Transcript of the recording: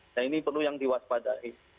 nah ini perlu yang diwaspadai